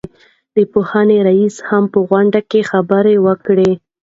د پوهنې رئيس هم په غونډه کې خبرې وکړې.